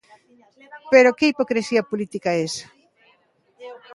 ¿Pero que hipocrisía política é esa?